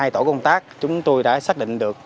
hai tổ công tác chúng tôi đã xác định được